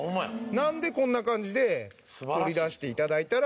なのでこんな感じで取り出して頂いたら。